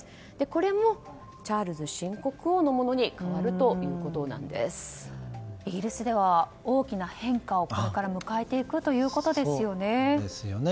これもチャールズ新国王のものにイギリスでは大きな変化をこれから迎えていくということですよね。